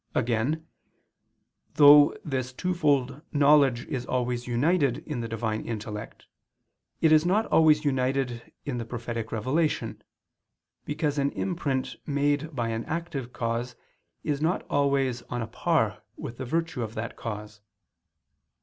Again, though this twofold knowledge is always united in the Divine intellect, it is not always united in the prophetic revelation, because an imprint made by an active cause is not always on a par with the virtue of that cause.